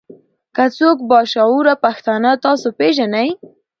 کۀ څوک با شعوره پښتانۀ تاسو پېژنئ